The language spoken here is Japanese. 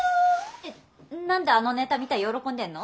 えなんであのネタ見て喜んでんの？